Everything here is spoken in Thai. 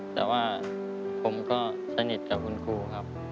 แต่ว่าผมก็สนิทกับคุณครูครับ